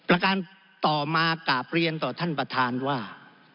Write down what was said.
ประการต่อมากราบเรียนต่อท่านประธานว่า